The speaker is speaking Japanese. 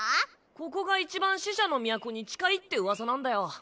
ここがいちばん死者の都に近いって噂なんだよ。